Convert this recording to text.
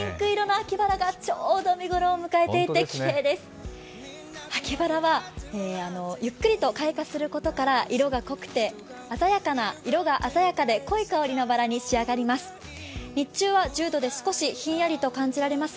秋バラは、ゆっくりと開花することから色が濃くて鮮やかで濃い香りのバラに仕上がります。